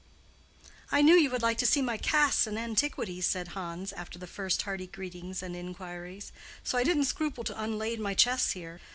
"I knew you would like to see my casts and antiquities," said Hans, after the first hearty greetings and inquiries, "so I didn't scruple to unlade my chests here.